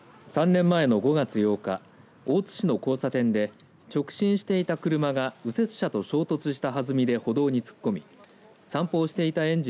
３年前の５月８日大津市の交差点で直進していた車が右折車と衝突したはずみで歩道に突っ込み散歩をしていた園児